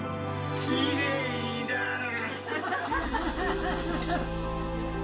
「きれいだな」